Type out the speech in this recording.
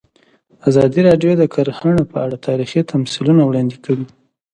ازادي راډیو د کرهنه په اړه تاریخي تمثیلونه وړاندې کړي.